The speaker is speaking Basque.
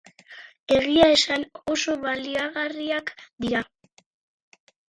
Egia esan, oso baliagarriak dira.